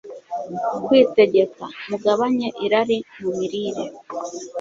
kwitegeka. Mugabanye irari mu mirire;